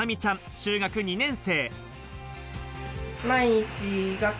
中学２年生。